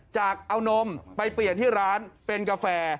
จะเอานมไปเปลี่ยนที่ร้านเป็นกาแฟ